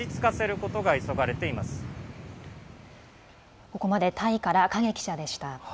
ここまでタイから、影記者でした。